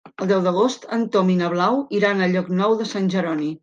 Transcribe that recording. El deu d'agost en Tom i na Blau iran a Llocnou de Sant Jeroni.